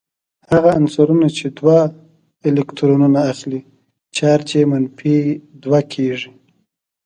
هغه عنصرونه چې دوه الکترونونه اخلې چارج یې منفي دوه کیږي.